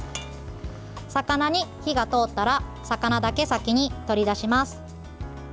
魚に火が通ったら魚だけ先に取り出します。